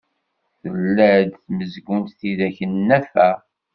Tella-d tmezgunt tidak n Nna Fa.